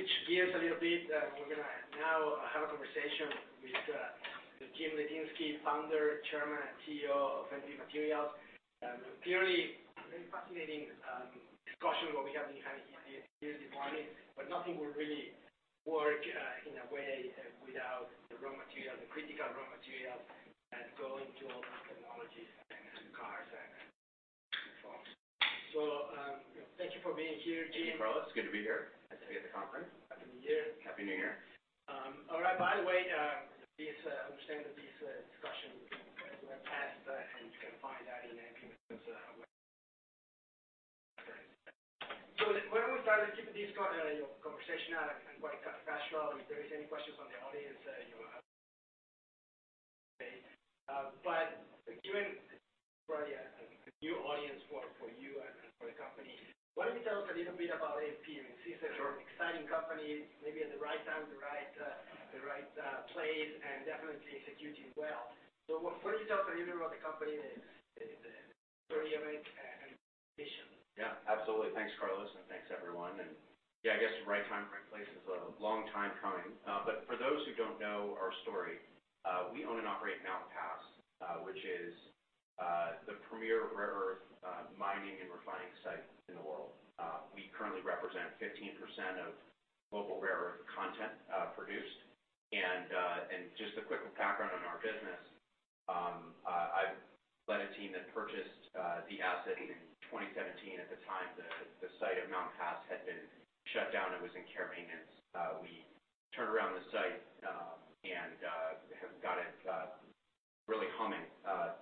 All right, we're gonna switch gears a little bit. We're gonna now have a conversation with Jim Litinsky, Founder, Chairman, and CEO of MP Materials. Clearly a very fascinating discussion what we have been having here this morning, nothing will really work in a way without the raw materials, the critical raw materials going to all these technologies and cars and phones. Thank you for being here, Jim. Thank you, Carlos. Good to be here. Nice to be at the conference. Happy New Year. Happy New Year. All right. By the way, this I understand that this discussion will be passed, and you can find that in MP's. Why don't we start keeping this, you know, conversational and quite kind of casual. If there is any questions from the audience, you know. Given probably a new audience for you and for the company, why don't you tell us a little bit about MP? Since it's an exciting company maybe at the right time, the right, the right place and definitely executing well. Why don't you tell us a little bit about the company and the story of it and mission. Yeah, absolutely. Thanks, Carlos, and thanks everyone. Yeah, I guess right time, right place is a long time coming. But for those who don't know our story, we own and operate Mountain Pass, which is the premier rare earth mining and refining site in the world. We currently represent 15% of global rare earth content produced. And just a quick background on our business, I led a team that purchased the asset in 2017. At the time, the site of Mountain Pass had been shut down. It was in care maintenance. We turned around the site and have got it really humming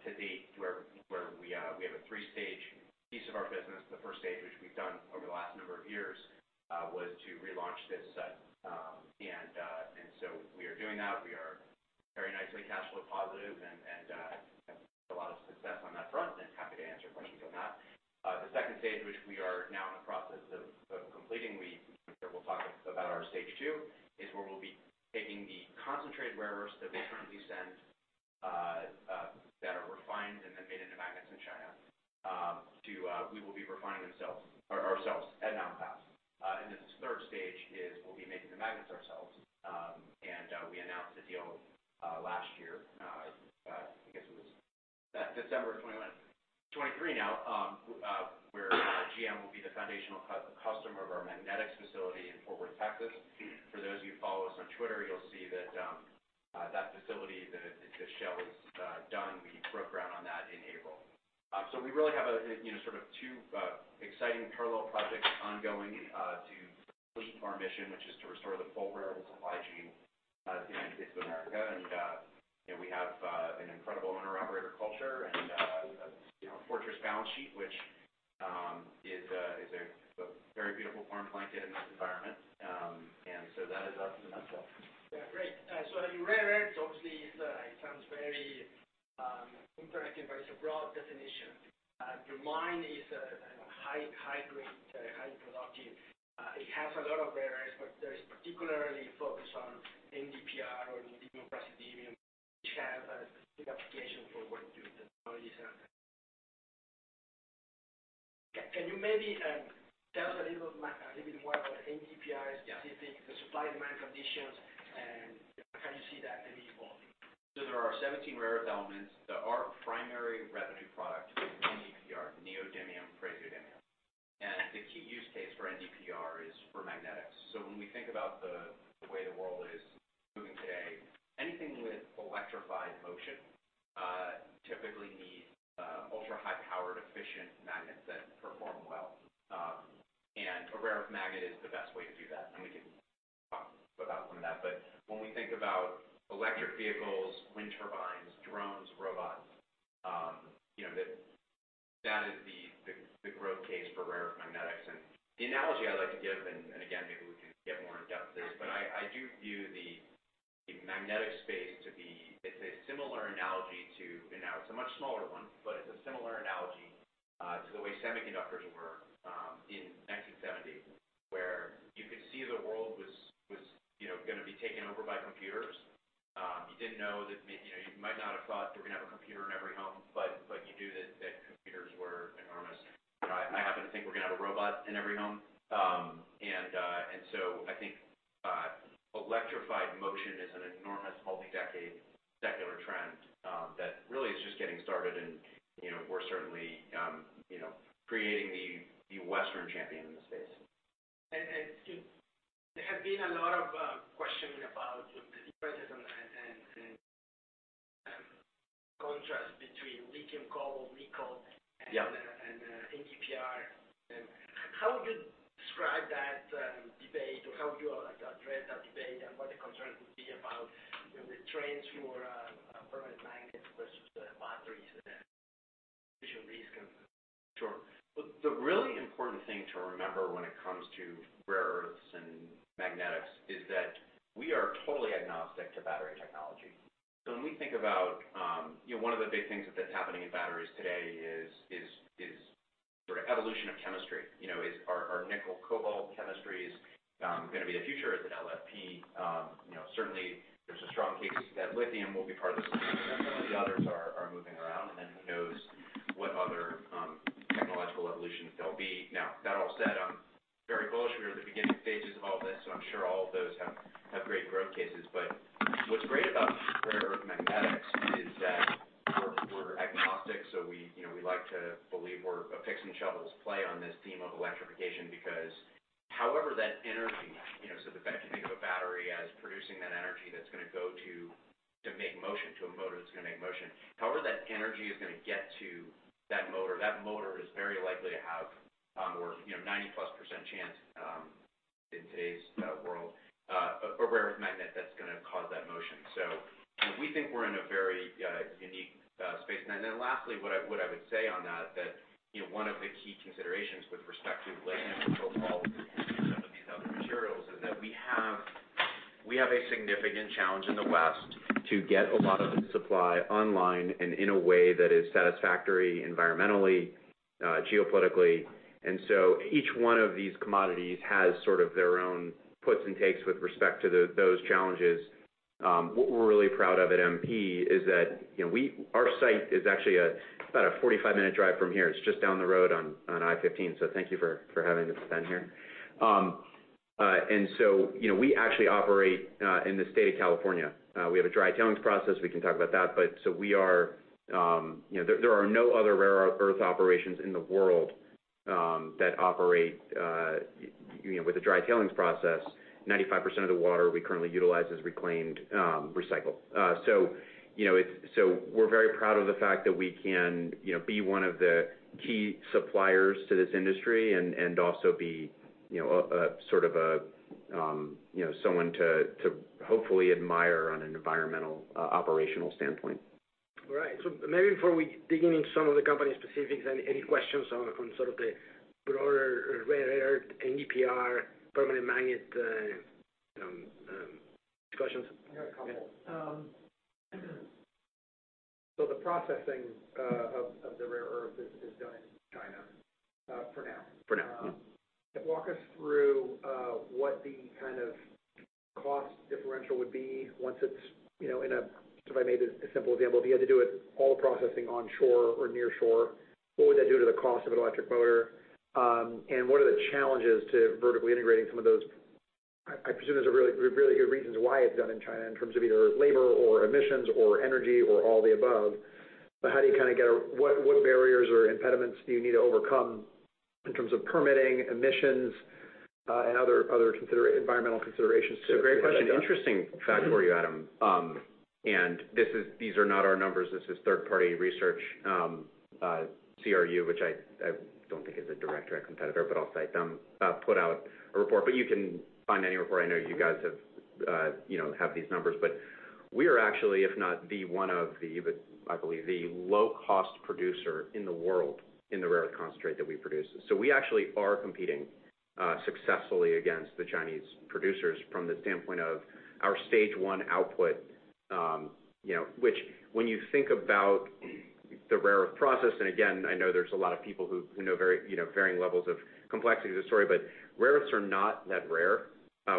to date where are, we have a three-stage piece of our business. The first stage, which we've done over the last number of years, was to relaunch this. We are doing that. We are very nicely cash flow positive and have a lot of success on that front, and happy to answer questions on that. The second stage, which we are now in the process of completing, we'll talk about our stage 2, is where we'll be taking the concentrated rare earths that we currently send that are refined and then made into magnets in China, to we will be refining ourselves at Mountain Pass. This third stage is we'll be making the magnets ourselves. We announced the deal last year. I guess it was December of 2021. 2023 now, where GM will be the foundational customer of our magnetics facility in Fort Worth, Texas. For those of you who follow us on Twitter, you'll see that facility, the shell is done. We broke ground on that in April. We really have a, you know, sort of two exciting parallel projects ongoing to complete our mission, which is to restore the full rare-earth supply chain of the United States of America. You know, we have an incredible owner-operator culture and a, you know, fortress balance sheet, which is a very beautiful form plank in this environment. That is us in a nutshell. Yeah. Great. The rare earths obviously is, it sounds very interactive, but it's a broad definition. Your mine is a high grade, high productive. It has a lot of rare earths. There is particularly focused on NdPr or neodymium praseodymium, which have a specific application for what you technologies. Can you maybe tell us a little bit more about NdPrs? Yeah. The supply and demand conditions, and how you see that maybe evolving? There are 17 rare earth elements. Our primary revenue product is NdPr, neodymium praseodymium. The key use case for NdPr is for magnetics. When we think about the way the world is moving today, anything with electrified motion, typically need ultra-high powered, efficient magnets that perform well. A rare earth magnet is the best way to do that, and we can talk about some of that. When we think about electric vehicles, wind turbines, drones, robots, you know, that is the growth case for rare earth magnetics. The analogy I like to give, and again, maybe we can get more in depth this, but I do view the magnetic space to be it's a similar analogy to, the now it's a much smaller one, but it's a similar analogy to the way semiconductors were in 1970, where you could see the world was, you know, gonna be taken over by computers. You didn't know that, you know, you might not have thought you were gonna have a computer in every home, but you knew that computers were enormous. I happen to think we're gonna have a robot in every home. I think electrified motion is an enormous multi-decade secular trend that really is just getting started and, you know, we're certainly, you know, creating the Western champion in the space. There have been a lot of questioning about the differences and contrast between lithium, cobalt, nickel and NdPr. How would you describe that debate, or how do you address that debate and what the concerns would be about, you know, the trends for permanent magnets versus the batteries and then which of these can. The really important thing to remember when it comes to rare earths and magnetics is that we are totally agnostic to battery technology. When we think about, you know, one of the big things that's happening in batteries today is sort of evolution of chemistry. You know, are nickel, cobalt chemistries gonna be the future as an LFP. You know, certainly there's a strong case that lithium will be part of the system. Some of the others are moving around, and then who knows what other technological evolutions there'll be. Now, that all said, I'm very bullish. We have a dry tailings process. We can talk about that. We are, you know, there are no other rare earth operations in the world, that operate, you know, with a dry tailings process. 95% of the water we currently utilize is reclaimed, recycled. You know, we're very proud of the fact that we can, you know, be one of the key suppliers to this industry and also be, you know, a sort of a, you know, someone to hopefully admire on an environmental, operational standpoint. All right. Maybe before we dig into some of the company specifics, any questions on, from sort of the broader rare earth, NdPr permanent magnet, discussions? I got a couple. The processing of the rare earth is done in China, for now. For now, yeah. Walk us through what the kind of cost differential would be once it's, you know, in a, if I made a simple example, if you had to do it all processing on shore or near shore, what would that do to the cost of an electric motor? What are the challenges to vertically integrating some of those? I presume there's a really, really good reasons why it's done in China in terms of either labor or emissions or energy or all the above. How do you kind of get what barriers or impediments do you need to overcome in terms of permitting emissions, and other environmental considerations too? It's a great question. Interesting fact for you, Adam. These are not our numbers. This is third party research. CRU, which I don't think is a direct competitor, but I'll cite them, put out a report. You can find any report. I know you guys have, you know, have these numbers. We are actually if not, I believe the low cost producer in the world in the rare concentrate that we produce. We actually are competing, successfully against the Chinese producers from the standpoint of our stage 1 output, you know, which when you think about the rare earth process, and again, I know there's a lot of people who know very, you know, varying levels of complexity of the story, but rare earths are not that rare.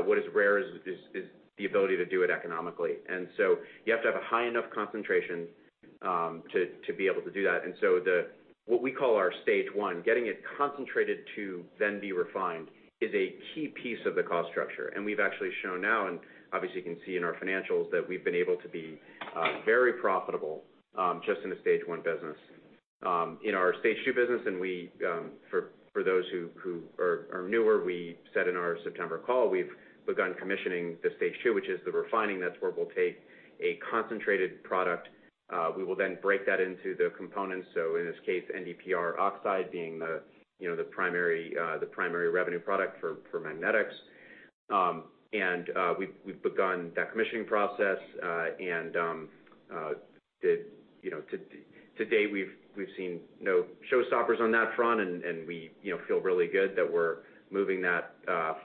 What is rare is the ability to do it economically. You have to have a high enough concentration to be able to do that. What we call our stage 1, getting it concentrated to then be refined is a key piece of the cost structure. We've actually shown now, and obviously you can see in our financials, that we've been able to be very profitable just in a Stage I business. In our Stage II business, and we, for those who are newer, we said in our September call, we've begun commissioning the Stage II, which is the refining. That's where we'll take a concentrated product. We will then break that into the components. In this case, NdPr oxide being the, you know, the primary revenue product for magnetics. We've begun that commissioning process and, you know, to date, we've seen no showstoppers on that front and we, you know, feel really good that we're moving that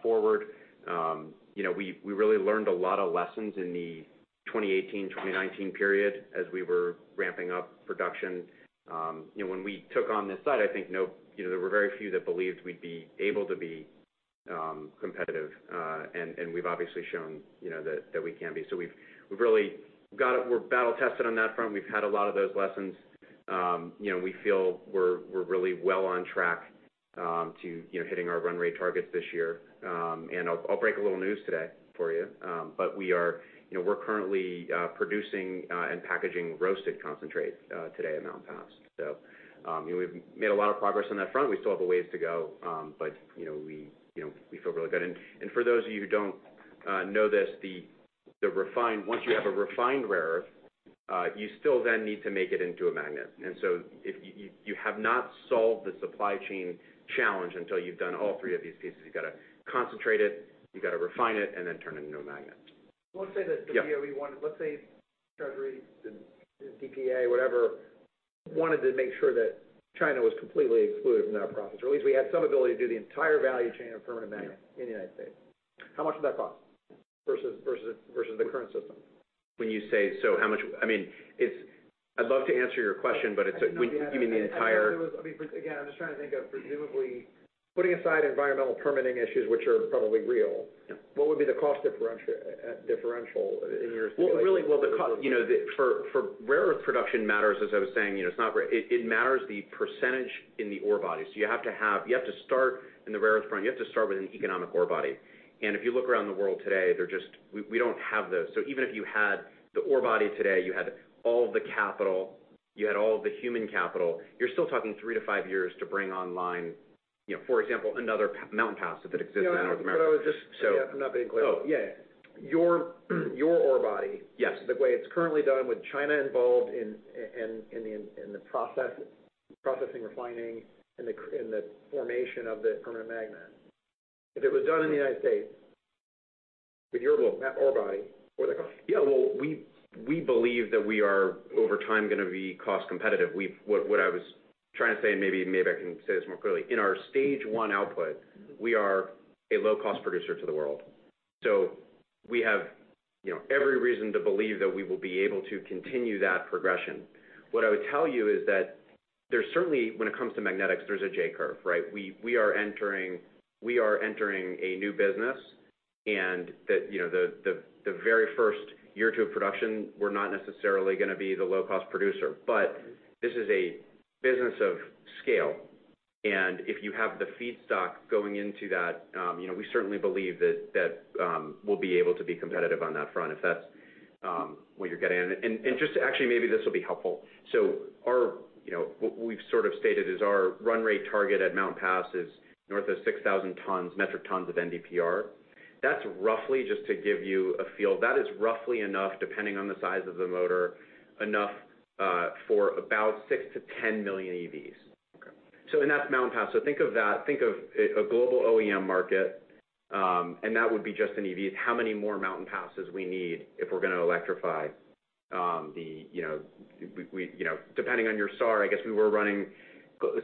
forward. You know, we really learned a lot of lessons in the 2018-2019 period as we were ramping up production. You know, when we took on this site, I think no, there were very few that believed we'd be able to be competitive. We've obviously shown, you know, that we can be. We've really got it. We're battle tested on that front. We've had a lot of those lessons. You know, we feel we're really well on track to, you know, hitting our run rate targets this year. I'll break a little news today for you. We are, you know, we're currently producing and packaging roasted concentrate today at Mountain Pass. You know, we've made a lot of progress on that front. We still have a ways to go, but, you know, we feel really good. For those of you who don't know this, once you have a refined rare earth, you still then need to make it into a magnet. If you have not solved the supply chain challenge until you've done all three of these pieces. You've got to concentrate it, you've got to refine it, and then turn it into a magnet. Well, let's say that the DOE wanted. Yeah. Let's say Treasury, the DPA, whatever, wanted to make sure that China was completely excluded from that process, or at least we had some ability to do the entire value chain of permanent magnet in the United States. How much would that cost versus the current system? When you say how much, I mean, I'd love to answer your question, but it's a... I know. you mean the entire- I mean, again, I'm just trying to think of presumably putting aside environmental permitting issues, which are probably real. Yeah. What would be the cost differential in your simulation? Well, really, well, the cost, you know, for rare earth production matters as I was saying, you know, it's not very. It matters the percentage in the ore bodies. You have to start in the rare earth front, you have to start with an economic ore body. If you look around the world today, we don't have those. Even if you had the ore body today, you had all the capital, you had all the human capital, you're still talking three to five years to bring online, you know, for example, another Mountain Pass that exists in North America. No, I know. I was just- So- Yeah, I'm not being clear. Oh. Yeah, yeah. Your ore body- Yes... the way it's currently done with China involved in the processing, refining, and the formation of the permanent magnet. If it was done in the United States with your ore body, what would that cost? Yeah. Well, we believe that we are over time gonna be cost competitive. What I was trying to say, and maybe I can say this more clearly. In our stage 1 output, we are a low cost producer to the world. We have, you know, every reason to believe that we will be able to continue that progression. What I would tell you is that there's certainly, when it comes to magnetics, there's a J-curve, right? We are entering a new business, and you know, the very first year or two of production, we're not necessarily gonna be the low cost producer. This is a business of scale, and if you have the feedstock going into that, you know, we certainly believe that, we'll be able to be competitive on that front, if that's what you're getting at. Just actually, maybe this will be helpful. Our, you know, what we've sort of stated is our run rate target at Mountain Pass is north of 6,000 tons, metric tons of NdPr. That's roughly, just to give you a feel, that is roughly enough, depending on the size of the motor, enough for about 6-10 million EVs. Okay. That's Mountain Pass. Think of that, think of a global OEM market, and that would be just in EVs, how many more Mountain Passes we need if we're gonna electrify, the, you know, we, you know, depending on your SAR, I guess we were running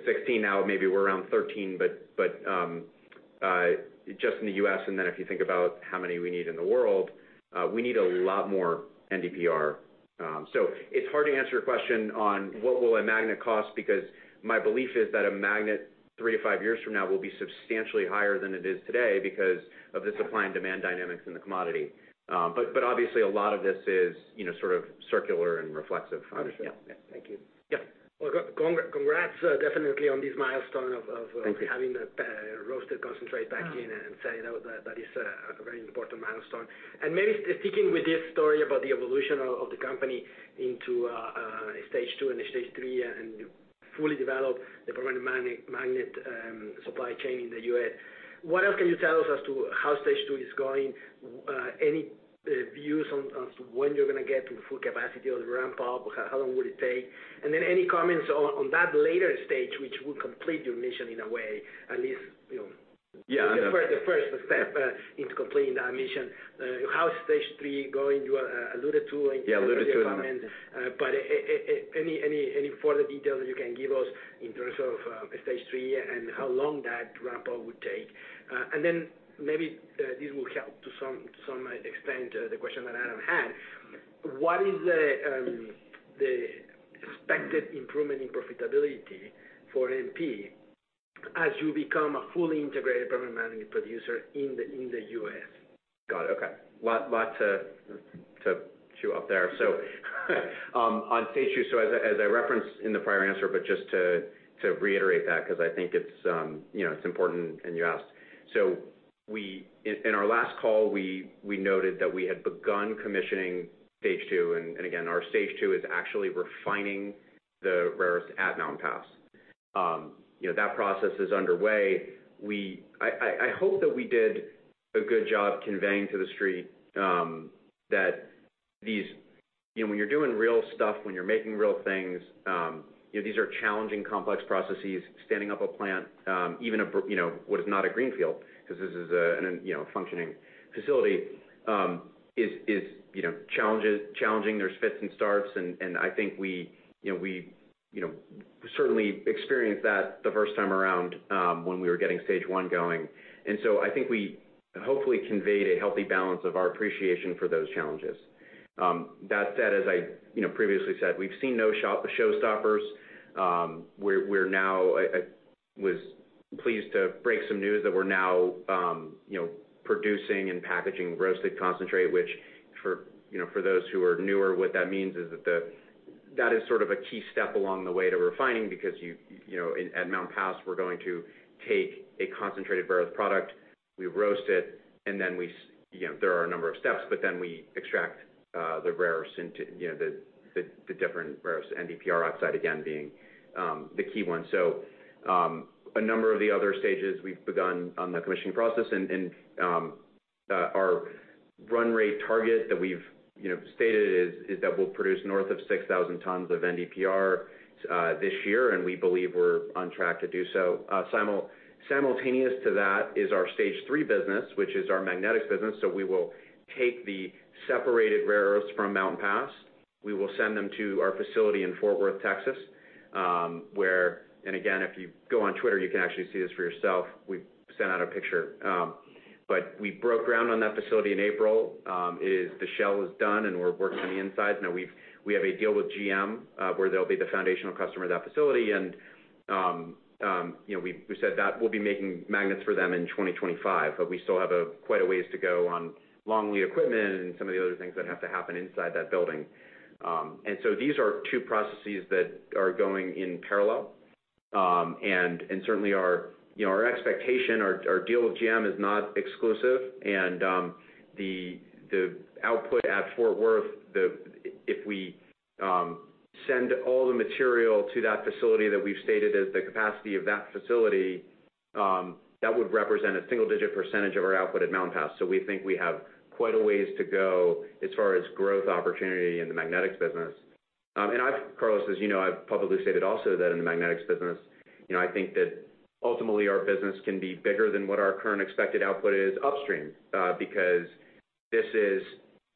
16 now, maybe we're around 13. Just in the U.S., and then if you think about how many we need in the world, we need a lot more NdPr. It's hard to answer your question on what will a magnet cost, because my belief is that a magnet three to five years from now will be substantially higher than it is today because of the supply and demand dynamics in the commodity. Obviously a lot of this is, you know, sort of circular and reflexive. Understood. Yeah. Thank you. Yeah. Well, congrats, definitely on this milestone of Thank you.... having a roasted concentrate back in and say that was that is a very important milestone. Maybe sticking with this story about the evolution of the company into Stage II and Stage III and fully developed, the permanent magnet supply chain in the U.S. What else can you tell us as to how Stage II is going? Any views on when you're gonna get to the full capacity or the ramp up? How long will it take? Any comments on that later stage, which will complete your mission in a way, at least, you know. Yeah. No.... the first step into completing that mission. How's Stage III going? You alluded to. Some of your comments. Any further details that you can give us in terms of Stage III and how long that ramp up would take? Maybe, this will help to some extent, the question that Adam had. What is the expected improvement in profitability for MP as you become a fully integrated permanent magnet producer in the U.S.? Got it. Okay. Lot to chew up there. On Stage II, as I referenced in the prior answer, but just to reiterate that because I think it's, you know, it's important and you asked. In our last call, we noted that we had begun commissioning Stage II. Again, our Stage II is actually refining the rarest at Mountain Pass. You know, that process is underway. I hope that we did a good job conveying to the street that these, you know, when you're doing real stuff, when you're making real things, you know, these are challenging, complex processes. Standing up a plant, even a you know, what is not a greenfield, 'cause this is a, you know, functioning facility, is, you know, challenging. There's fits and starts. I think we, you know, we, you know, certainly experienced that the first time around, when we were getting Stage I going. I think we hopefully conveyed a healthy balance of our appreciation for those challenges. That said, as I, you know, previously said, we've seen no showstoppers. I was pleased to break some news that we're now, you know, producing and packaging roasted concentrate, which for, you know, for those who are newer, what that means is that that is sort of a key step along the way to refining because you know, at Mountain Pass, we're going to take a concentrated rare earth product, we roast it, you know, there are a number of steps, we extract the rare earths into, you know, the different rare earths NdPr oxide, again, being the key one. A number of the other stages we've begun on the commissioning process, our run rate target that we've, you know, stated is that we'll produce north of 6,000 tons of NdPr this year. We believe we're on track to do so. Simultaneous to that is our Stage III business, which is our magnetics business. We will take the separated rare earths from Mountain Pass. We will send them to our facility in Fort Worth, Texas, and again, if you go on Twitter, you can actually see this for yourself. We've sent out a picture. We broke ground on that facility in April, the shell is done, and we're working on the inside. We have a deal with GM, where they'll be the foundational customer of that facility. You know, we said that we'll be making magnets for them in 2025, but we still have quite a ways to go on long lead equipment and some of the other things that have to happen inside that building. These are two processes that are going in parallel. Certainly our, you know, our expectation, our deal with GM is not exclusive. The output at Fort Worth, if we send all the material to that facility that we've stated as the capacity of that facility, that would represent a single-digit percentage of our output at Mountain Pass. We think we have quite a ways to go as far as growth opportunity in the magnetics business. I've, Carlos, as you know, I've publicly stated also that in the magnetics business, you know, I think that ultimately our business can be bigger than what our current expected output is upstream, because this is,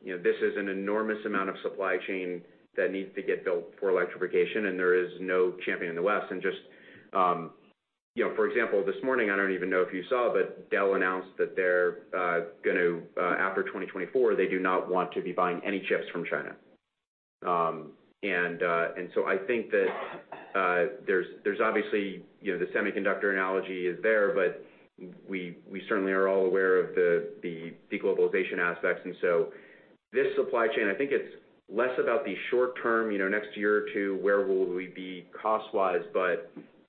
you know, this is an enormous amount of supply chain that needs to get built for electrification, and there is no champion in the West. Just, you know, for example, this morning, I don't even know if you saw, but Dell announced that they're gonna, after 2024, they do not want to be buying any chips from China. I think that there's obviously, you know, the semiconductor analogy is there, but we certainly are all aware of the de-globalization aspects. This supply chain, I think it's less about the short term, you know, next year or two, where will we be cost-wise.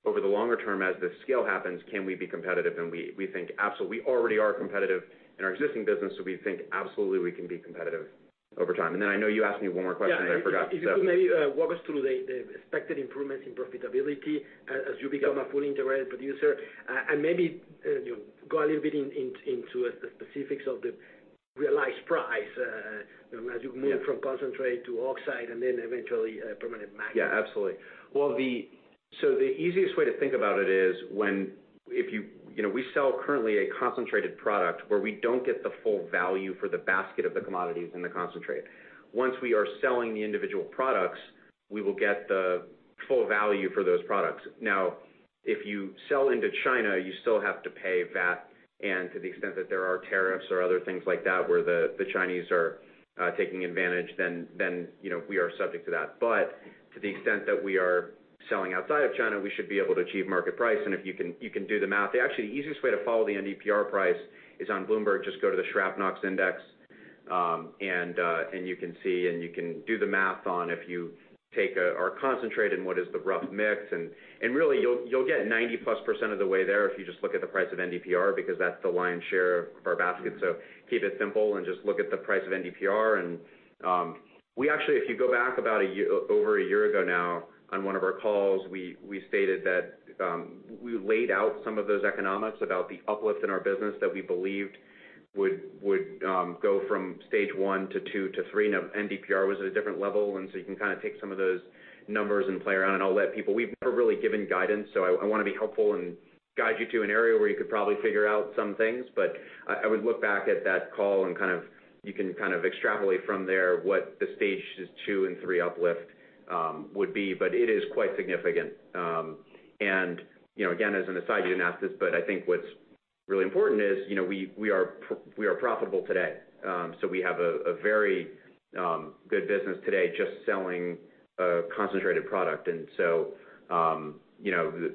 Over the longer term, as the scale happens, can we be competitive? We think absolutely. We already are competitive in our existing business, so we think absolutely we can be competitive over time. I know you asked me one more question, and I forgot. Yeah. If you could maybe walk us through the expected improvements in profitability as you become a fully integrated producer, and maybe, you know, go a little bit into the specifics of the realized price, you know, as you move from concentrate to oxide and then eventually, permanent magnet. Yeah, absolutely. Well, so the easiest way to think about it is when if you know, we sell currently a concentrated product where we don't get the full value for the basket of the commodities in the concentrate. Once we are selling the individual products, we will get the full value for those products. Now, if you sell into China, you still have to pay VAT and to the extent that there are tariffs or other things like that, where the Chinese are taking advantage, then, you know, we are subject to that. To the extent that we are selling outside of China, we should be able to achieve market price. If you can, you can do the math. Actually, the easiest way to follow the NdPr price is on Bloomberg. Just go to the PrNd Oxide Index, you can see and you can do the math on if you take our concentrate and what is the rough mix. Really you'll get 90%+ of the way there if you just look at the price of NdPr because that's the lion's share of our basket. Keep it simple and just look at the price of NdPr. We actually, if you go back about over a year ago now on one of our calls, we stated that we laid out some of those economics about the uplift in our business that we believed would go from Stage I to Stage II to Stage III. NdPr was at a different level, so you can kind of take some of those numbers and play around and I'll let people. We've never really given guidance, so I wanna be helpful and guide you to an area where you could probably figure out some things. I would look back at that call and you can kind of extrapolate from there what the Stage II and III uplift would be. But it is quite significant. And, you know, again, as an aside, you didn't ask this, but I think what's really important is, you know, we are profitable today. So we have a very good business today just selling concentrated product. You know,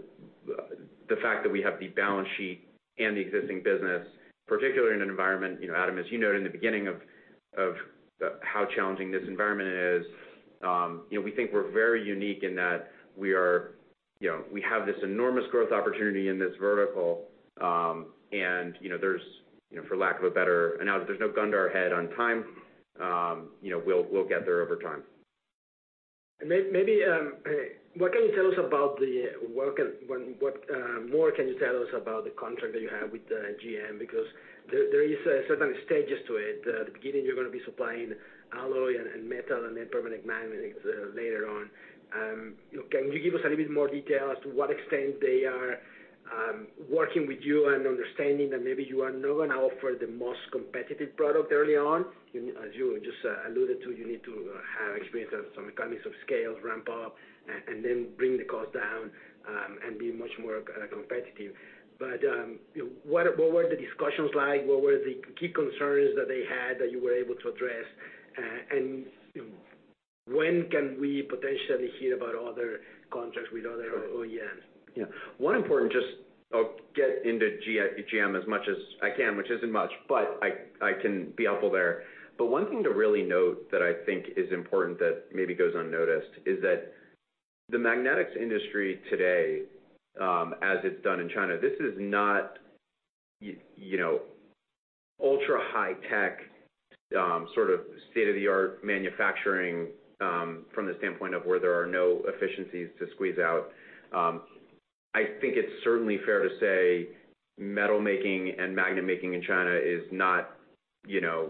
the fact that we have the balance sheet and the existing business, particularly in an environment, you know, Adam, as you noted in the beginning of how challenging this environment is, you know, we think we're very unique in that we are, you know, we have this enormous growth opportunity in this vertical. You know, there's, you know, for lack of a better and now there's no gun to our head on time, you know, we'll get there over time. Maybe, what can you tell us about the work and what more can you tell us about the contract that you have with GM? Because there is certain stages to it. At the beginning, you're gonna be supplying alloy and metal and then permanent magnets later on. Can you give us a little bit more detail as to what extent they are working with you and understanding that maybe you are not gonna offer the most competitive product early on? You know, as you just alluded to, you need to have experience of some economies of scale to ramp up and then bring the cost down and be much more competitive. You know, what were the discussions like? What were the key concerns that they had that you were able to address? When can we potentially hear about other contracts with other OEMs? Yeah. One important I'll get into GM as much as I can, which isn't much, but I can be helpful there. One thing to really note that I think is important that maybe goes unnoticed is that the magnetics industry today, as it's done in China, this is not you know, ultra high tech, sort of state-of-the-art manufacturing, from the standpoint of where there are no efficiencies to squeeze out. I think it's certainly fair to say metal making and magnet making in China is not, you know,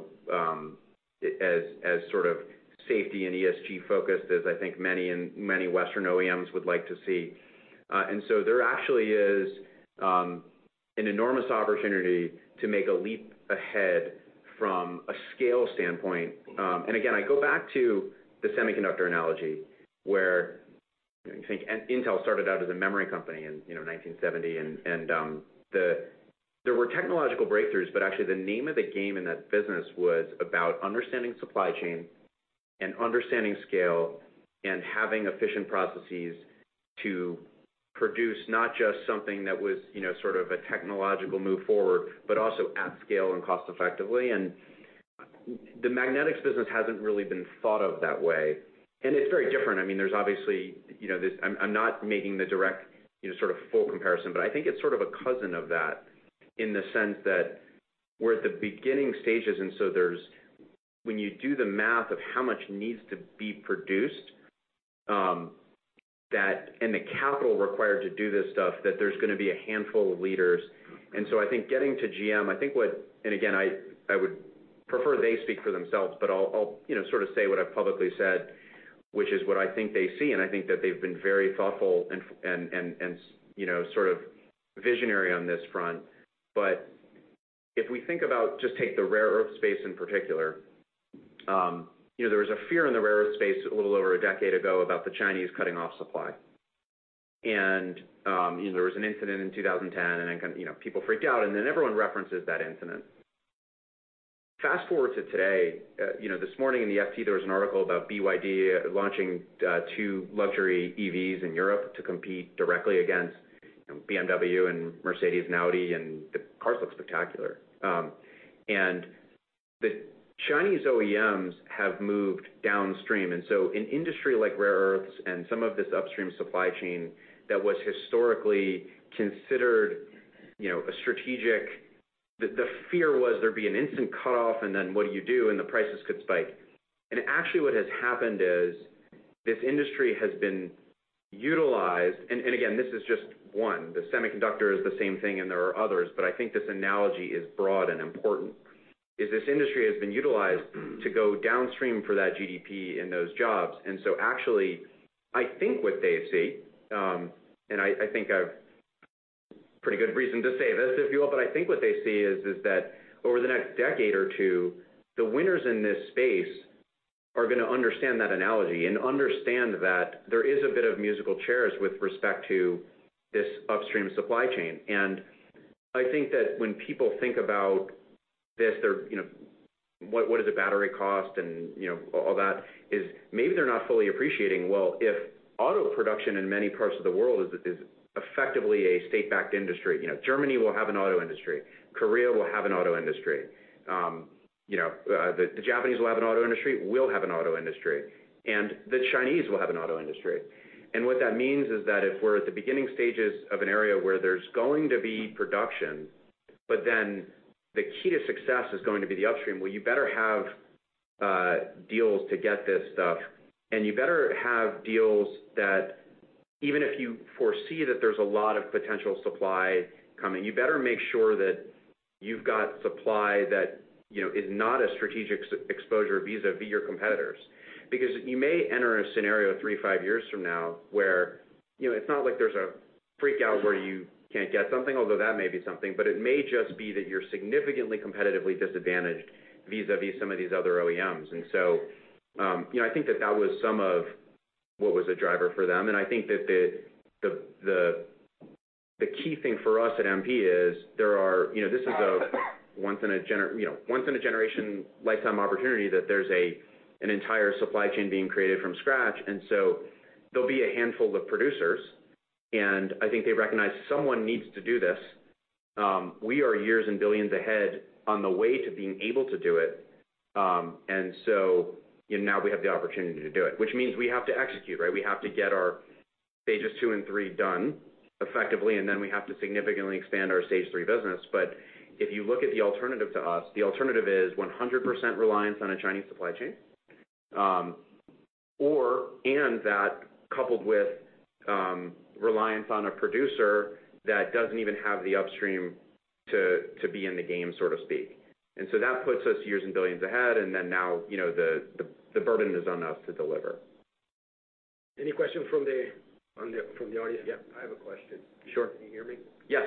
as sort of safety and ESG focused as I think many Western OEMs would like to see. There actually is an enormous opportunity to make a leap ahead from a scale standpoint. Again, I go back to the semiconductor analogy where you think Intel started out as a memory company in 1970. There were technological breakthroughs, but actually the name of the game in that business was about understanding supply chain and understanding scale and having efficient processes to produce not just something that was sort of a technological move forward, but also at scale and cost effectively. The magnetics business hasn't really been thought of that way. It's very different. I mean, there's obviously this I'm not making the direct sort of full comparison, but I think it's sort of a cousin of that in the sense that we're at the beginning stages. When you do the math of how much needs to be produced, and the capital required to do this stuff, there's gonna be a handful of leaders. I think getting to GM, I would prefer they speak for themselves, but I'll, you know, sort of say what I've publicly said, which is what I think they see, and I think that they've been very thoughtful and, you know, sort of visionary on this front. If we think about just take the rare earth space in particular, you know, there was a fear in the rare earth space a little over a decade ago about the Chinese cutting off supply. You know, there was an incident in 2010, then kind of, you know, people freaked out, then everyone references that incident. Fast-forward to today, you know, this morning in the FT, there was an article about BYD launching two luxury EVs in Europe to compete directly against, you know, BMW and Mercedes and Audi, the cars look spectacular. The Chinese OEMs have moved downstream. In industry like rare earths and some of this upstream supply chain that was historically considered, you know, a strategic, that the fear was there'd be an instant cutoff, then what do you do, the prices could spike. Actually, what has happened is this industry has been utilized. And again, this is just one. The semiconductor is the same thing. There are others, but I think this analogy is broad and important, is this industry has been utilized to go downstream for that GDP and those jobs. Actually, I think what they see, and I think I've pretty good reason to say this if you will. I think what they see is that over the next decade or two, the winners in this space are gonna understand that analogy and understand that there is a bit of musical chairs with respect to this upstream supply chain. I think that when people think about this, they're, you know, what does a battery cost and, you know, all that is maybe they're not fully appreciating, well, if auto production in many parts of the world is effectively a state-backed industry. You know, Germany will have an auto industry, Korea will have an auto industry. You know, the Japanese will have an auto industry. We'll have an auto industry. The Chinese will have an auto industry. What that means is that if we're at the beginning stages of an area where there's going to be production, but then the key to success is going to be the upstream, well, you better have deals to get this stuff, and you better have deals that even if you foresee that there's a lot of potential supply coming, you better make sure that you've got supply that, you know, is not a strategic exposure vis-a-vis your competitors. You may enter a scenario three, five years from now where, you know, it's not like there's a freak out where you can't get something, although that may be something. It may just be that you're significantly competitively disadvantaged vis-a-vis some of these other OEMs. You know, I think that that was some of what was a driver for them. I think that the key thing for us at MP is there are, you know, this is a once in a generation lifetime opportunity that there's a, an entire supply chain being created from scratch. There'll be a handful of producers, and I think they recognize someone needs to do this. We are years and billions ahead on the way to being able to do it. You know, now we have the opportunity to do it, which means we have to execute, right? We have to get our Stage II and Stage III done effectively, and then we have to significantly expand our Stage III business. If you look at the alternative to us, the alternative is 100% reliance on a Chinese supply chain, or, and that coupled with, reliance on a producer that doesn't even have the upstream to be in the game, so to speak. That puts us years and billions ahead, and then now, you know, the, the burden is on us to deliver. Any questions from the audience? Yeah. I have a question. Sure. Can you hear me? Yes.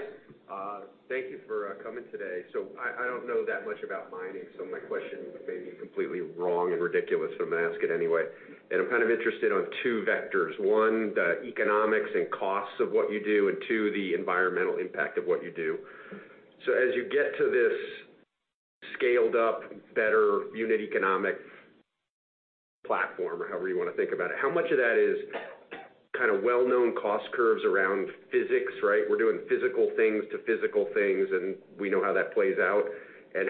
Thank you for coming today. I don't know that much about mining, so my question may be completely wrong and ridiculous, so I'm gonna ask it anyway. I'm kind of interested on two vectors. One, the economics and costs of what you do. Two, the environmental impact of what you do. As you get to this scaled up, better unit economic platform or however you wanna think about it, how much of that is kind of well-known cost curves around physics, right? We're doing physical things to physical things, and we know how that plays out.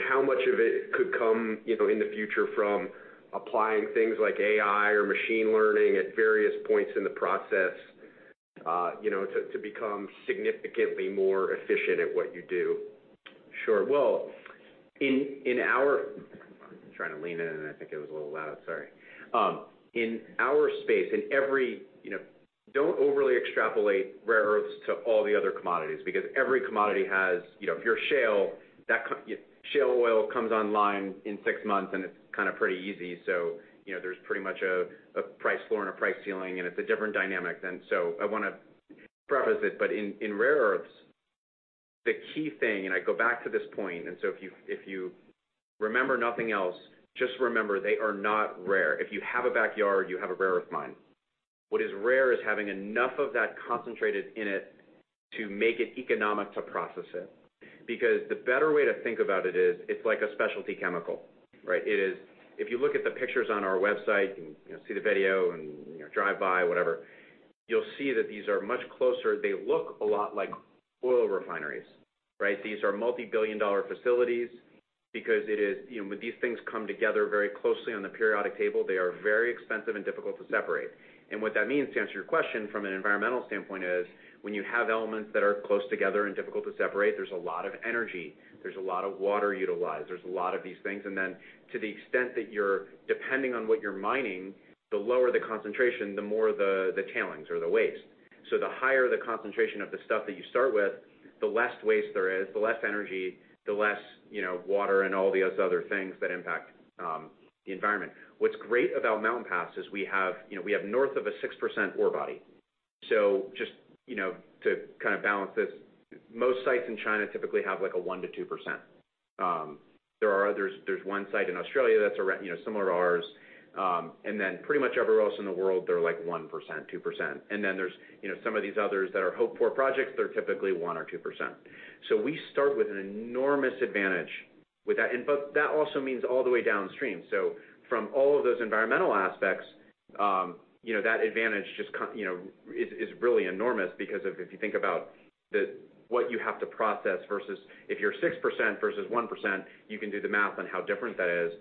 How much of it could come, you know, in the future from applying things like AI or machine learning at various points in the process, you know, to become significantly more efficient at what you do? Sure. Well, in our, I'm trying to lean in, and I think it was a little loud, sorry. In our space, in every, you know, don't overly extrapolate rare earths to all the other commodities, because every commodity has, you know, if you're shale, you know, shale oil comes online in 6 months, and it's kind of pretty easy. You know, there's pretty much a price floor and a price ceiling, and it's a different dynamic than, I want to preface it. But in rare earths, the key thing, and I go back to this point, and if you remember nothing else, just remember they are not rare. If you have a backyard, you have a rare earth mine. What is rare is having enough of that concentrated in it to make it economic to process it. The better way to think about it is, it's like a specialty chemical, right? If you look at the pictures on our website and, you know, see the video and, you know, drive by, whatever, you'll see that these are much closer. They look a lot like oil refineries, right? These are multi-billion dollar facilities because, you know, when these things come together very closely on the periodic table, they are very expensive and difficult to separate. What that means, to answer your question from an environmental standpoint, is when you have elements that are close together and difficult to separate, there's a lot of energy, there's a lot of water utilized, there's a lot of these things. To the extent that you're depending on what you're mining, the lower the concentration, the more the tailings or the waste. The higher the concentration of the stuff that you start with, the less waste there is, the less energy, the less, you know, water and all the other things that impact the environment. What's great about Mountain Pass is we have, you know, we have north of a 6% ore body. Just, you know, to kind of balance this, most sites in China typically have, like, a 1%-2%. There are others. There's one site in Australia that's around, you know, similar to ours. Pretty much everywhere else in the world, they're like 1%, 2%. There's, you know, some of these others that are hope for projects, they're typically 1% or 2%. We start with an enormous advantage with that. That also means all the way downstream. From all of those environmental aspects, you know, that advantage, you know, is really enormous because of if you think about what you have to process versus if you're 6% versus 1%, you can do the math on how different that is.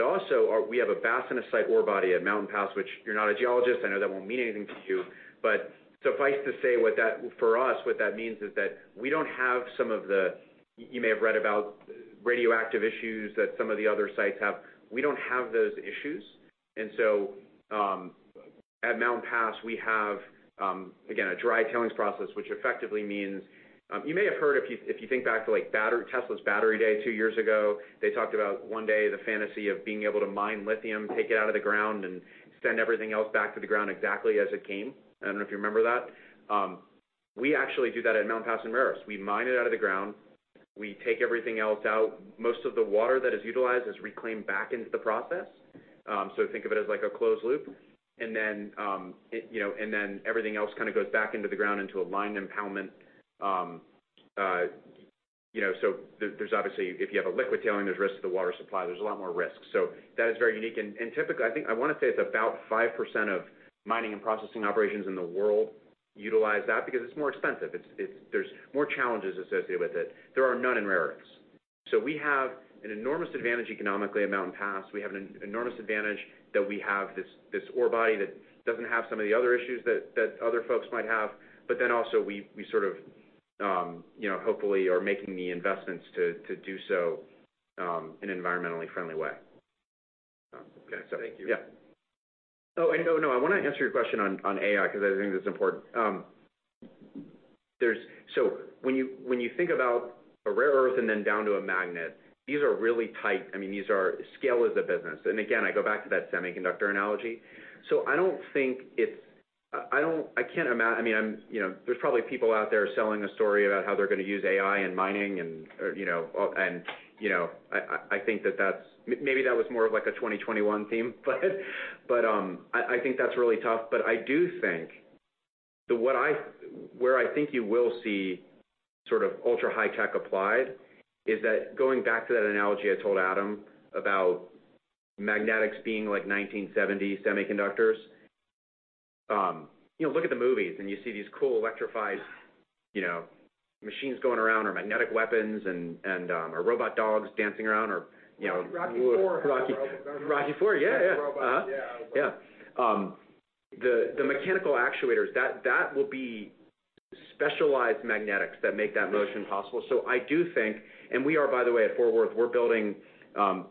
Also, our we have a bastnaesite ore body at Mountain Pass, which you're not a geologist, I know that won't mean anything to you, but suffice to say what that for us, what that means is that we don't have some of the, you may have read about radioactive issues that some of the other sites have. We don't have those issues. At Mountain Pass, we have, again, a dry tailings process, which effectively means. You may have heard if you, if you think back to, like, Tesla's Battery Day two years ago, they talked about one day, the fantasy of being able to mine lithium, take it out of the ground, and send everything else back to the ground exactly as it came. I don't know if you remember that. We actually do that at Mountain Pass and Rare Earths. We mine it out of the ground. We take everything else out. Most of the water that is utilized is reclaimed back into the process. So think of it as like a closed loop. It, you know, everything else kind of goes back into the ground into a lined impoundment. You know, so there's obviously, if you have a liquid tailing, there's risks to the water supply. There's a lot more risks. That is very unique. Typically, I think I wanna say it's about 5% of mining and processing operations in the world utilize that because it's more expensive. There's more challenges associated with it. There are none in rare earths. We have an enormous advantage economically at Mountain Pass. We have an enormous advantage that we have this ore body that doesn't have some of the other issues that other folks might have. Also we sort of, you know, hopefully are making the investments to do so in an environmentally friendly way. Thank you. Yeah. Oh, no, I wanna answer your question on AI because I think that's important. When you think about a rare earth and then down to a magnet, these are really tight. I mean, these are scale as a business. Again, I go back to that semiconductor analogy. I mean, I'm, you know, there's probably people out there selling a story about how they're gonna use AI in mining and, you know, all, you know, I think that's maybe that was more of like a 2021 theme. I think that's really tough. I do think where I think you will see sort of ultra high tech applied is that going back to that analogy I told Adam about magnetics being like 1970 semiconductors. You know, look at the movies and you see these cool electrified, you know, machines going around, or magnetic weapons and, or robot dogs dancing around or, you know... Rocky IV. Rocky IV, yeah. Had the robot. Yeah. Yeah. The mechanical actuators that will be specialized magnetics that make that motion possible. I do think, and we are, by the way, at Fort Worth, we're building,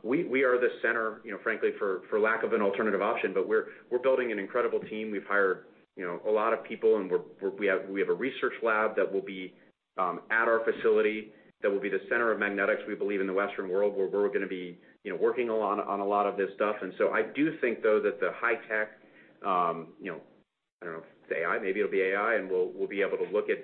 we are the center, you know, frankly for lack of an alternative option, but we're building an incredible team. We've hired, you know, a lot of people, and we have a research lab that will be at our facility that will be the center of magnetics, we believe in the Western world, where we're gonna be, you know, working a lot on a lot of this stuff. I do think though that the high tech, you know, I don't know if it's AI, maybe it'll be AI, and we'll be able to look at,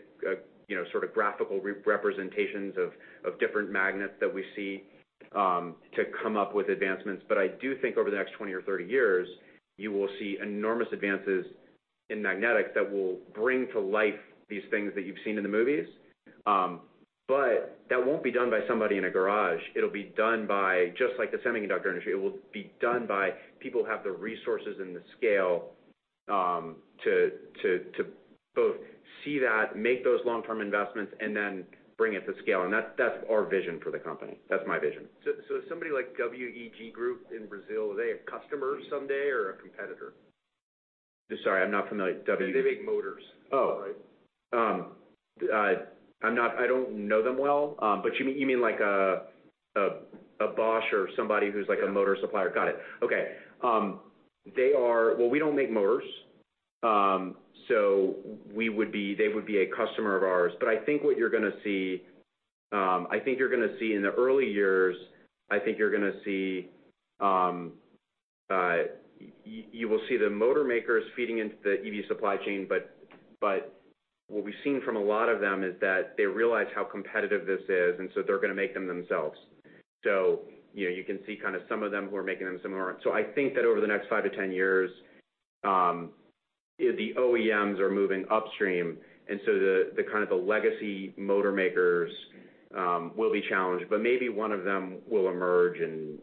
you know, sort of graphical re-representations of different magnets that we see to come up with advancements. I do think over the next 20 or 30 years, you will see enormous advances in magnetics that will bring to life these things that you've seen in the movies. That won't be done by somebody in a garage. It'll be done by, just like the semiconductor industry, it will be done by people who have the resources and the scale to both see that, make those long-term investments, and then bring it to scale. That's our vision for the company. That's my vision. Somebody like WEG Group in Brazil, are they a customer someday or a competitor? Sorry, I'm not familiar. They make motors. Oh. Right? I don't know them well. You mean, you mean like a Bosch or somebody who's like a motor supplier? Got it. Okay. Well, we don't make motors. They would be a customer of ours. I think what you're gonna see, I think you're gonna see in the early years, I think you're gonna see, you will see the motor makers feeding into the EV supply chain, but what we've seen from a lot of them is that they realize how competitive this is, and so they're gonna make them themselves. You know, you can see kind of some of them who are making them, some of them aren't. I think that over the next five to 10 years, the OEMs are moving upstream, and so the kind of the legacy motor makers will be challenged. Maybe one of them will emerge and,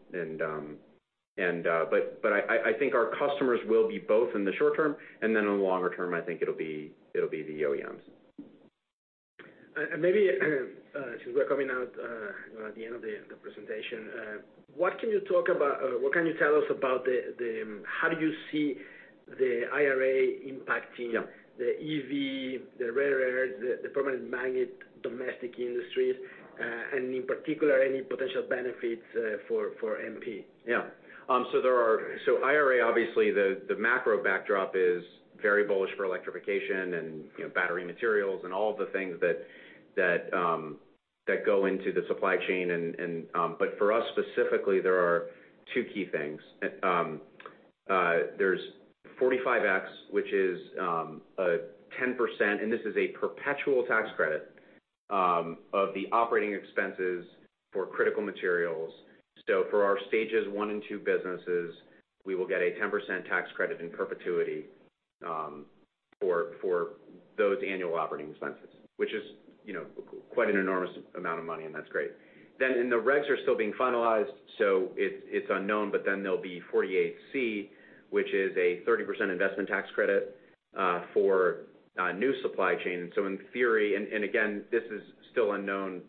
but I think our customers will be both in the short term, and then in the longer term, I think it'll be the OEMs. Maybe, since we're coming out, you know, at the end of the presentation, what can you tell us about the, how do you see the IRA impacting the EV, the rare earth, the permanent magnet domestic industries, and in particular, any potential benefits, for MP? IRA, obviously, the macro backdrop is very bullish for electrification and, you know, battery materials and all of the things that go into the supply chain. For us specifically, there are two key things. There's 45X, which is a 10%, and this is a perpetual tax credit, of the operating expenses for critical materials. For our Stages I and II businesses, we will get a 10% tax credit in perpetuity, for those annual operating expenses, which is, you know, quite an enormous amount of money, and that's great. The regs are still being finalized, it's unknown. There'll be 48C, which is a 30% investment tax credit for new supply chain. In theory, and again, this is still unknown,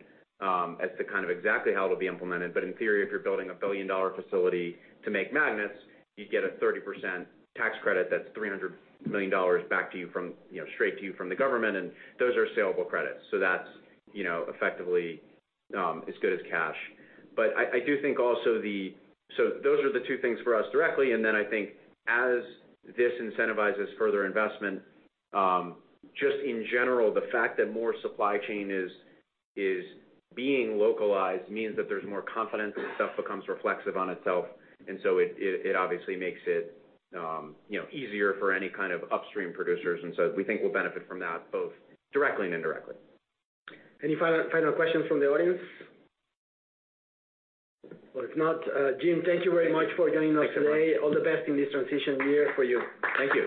as to kind of exactly how it'll be implemented, but in theory, if you're building a $1 billion facility to make magnets, you'd get a 30% tax credit that's $300 million back to you from, you know, straight to you from the government, and those are saleable credits. That's, you know, effectively, as good as cash. I do think also the. Those are the two things for us directly, and then I think as this incentivizes further investment, just in general, the fact that more supply chain is being localized means that there's more confidence and stuff becomes reflexive on itself. It obviously makes it, you know, easier for any kind of upstream producers. We think we'll benefit from that both directly and indirectly. Any final questions from the audience? Well, if not, Jim, thank you very much for joining us today. Thanks a lot. All the best in this transition year for you. Thank you.